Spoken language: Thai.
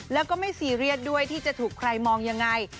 แล้วก็ไม่ซีเรียสด้วยที่จะถูกใครมองยังไง